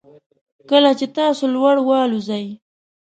کله چې تاسو لوړ والوځئ